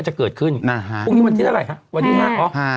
จะเกิดขึ้นนะฮะพรุ่งนี้วันที่เท่าไรฮะวันที่ห้าฮะอ๋อ